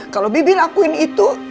kalau bebe lakuin itu